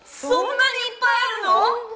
そそんなにいっぱいあるの？